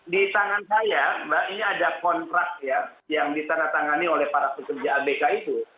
di tangan saya mbak ini ada kontrak ya yang ditandatangani oleh para pekerja abk itu